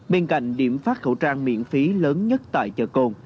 bên cạnh điểm phát khẩu trang miễn phí lớn nhất tại chợ cồn